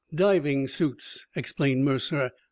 "Diving suits," explained Mercer.